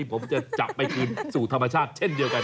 ผมจะจับไปคืนสู่ธรรมชาติเช่นเดียวกัน